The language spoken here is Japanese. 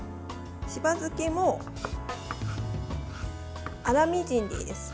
しば漬けも粗みじんでいいです。